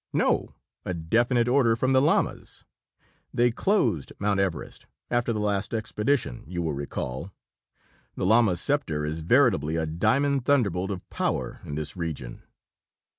"No a definite order from the Lamas. They closed Mt. Everest, after the last expedition, you will recall. The Lama's scepter is veritably a diamond thunderbolt of power in this region."